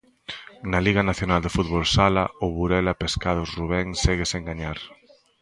Na Liga Nacional de Fútbol Sala, o Burela Pescados Rubén segue sen gañar.